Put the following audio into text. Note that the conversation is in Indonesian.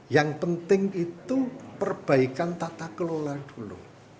yang penting itu perbaikan tata kelola dulu